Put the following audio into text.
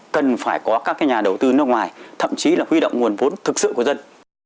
cần phải có các nhà đầu tư nước ngoài thậm chí là huy động nguồn vốn thực sự của dân